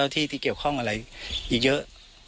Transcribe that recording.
ที่เกี่ยวข้องอะไรอีกเยอะ